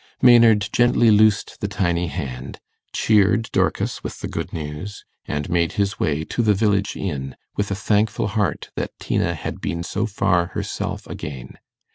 Maynard gently loosed the tiny hand, cheered Dorcas with the good news, and made his way to the village inn, with a thankful heart that Tina had been so far herself again.